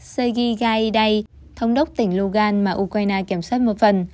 sergei gaidai thống đốc tỉnh lugan mà ukraine kiểm soát một phần